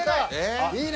いいね！